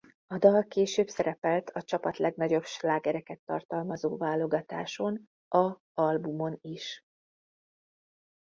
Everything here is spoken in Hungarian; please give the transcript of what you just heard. A dal később szerepelt a csapat legnagyobb slágereket tartalmazó válogatáson a albumon is.